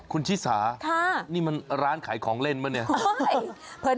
คุณชิริสานี่มันร้านขายของเล่นไหมเนี่ยอะเฮ่ย